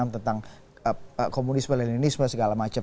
tentang komunisme leninisme segala macam